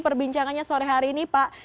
perbincangannya sore hari ini pak